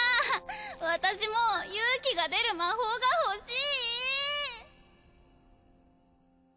私も勇気が出る魔法が欲しい！